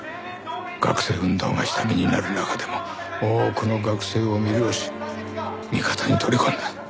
学生運動が下火になる中でも多くの学生を魅了し味方に取り込んだ。